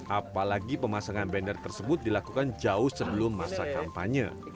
apalagi pemasangan banner tersebut dilakukan jauh sebelum masa kampanye